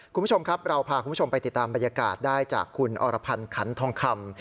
คุณผู้ชมครับเราพาคุณผู้ชมไปติดตามบรรยากาศได้จากคุณอรพันธ์ขันทองคำ